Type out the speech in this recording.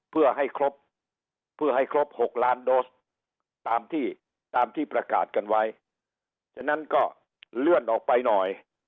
เพื่อให้ครบ๖ล้านโดสตามที่ประกาศกันไว้ฉะนั้นก็เลื่อนออกไปหน่อย